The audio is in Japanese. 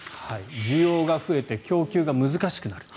需要が増えて供給が難しくなる。